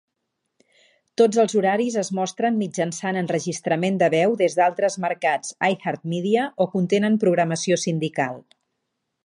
Tots els horaris es mostren mitjançant enregistrament de veu des d'altres mercats iHeartMedia o contenen programació sindical.